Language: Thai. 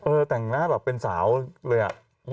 เออแต่งหน้าแบบเป็นสาวเลย